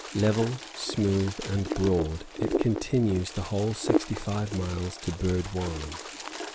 Level, smooth, and broad it continues the whole sixty five miles to Burd wan.